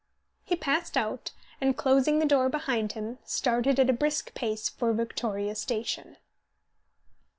He passed out, and, closing the door behind him, started at a brisk pace for Victoria station.